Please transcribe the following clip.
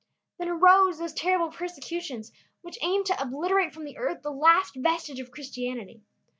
Then arose those terrible persecutions which aimed to obliterate from the earth the last vestige of Christianity.